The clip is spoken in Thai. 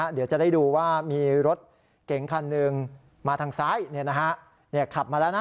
เดี๋ยวจะได้ดูว่ามีรถเก๋งคันหนึ่งมาทางซ้ายขับมาแล้วนะ